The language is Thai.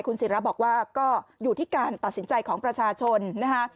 ศิราบอกว่าก็อยู่ที่การตัดสินใจของประชาชนนะคะ